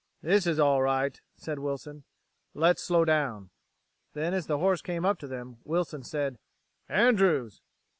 "This is all right," said Wilson. "Let's slow down." Then, as the horse came up to them, Wilson said: "Andrews!"